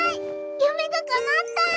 ゆめがかなった！